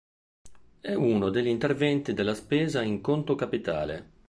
È uno degli interventi della spesa in conto capitale.